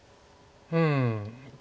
うん。